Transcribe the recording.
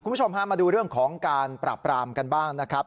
คุณผู้ชมฮะมาดูเรื่องของการปราบปรามกันบ้างนะครับ